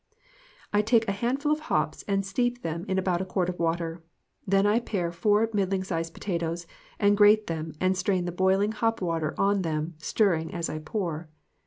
I take a handful of hops and steep them in about a quart of water. Then I pare four middling sized potatoes and grate them and strain the boil ing hop water on them, stirring as I pour.